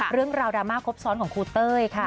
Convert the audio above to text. เรื่องราวดราม่าครบซ้อนของครูเต้ยค่ะ